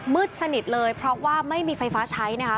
สนิทเลยเพราะว่าไม่มีไฟฟ้าใช้นะคะ